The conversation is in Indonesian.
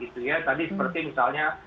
tadi seperti misalnya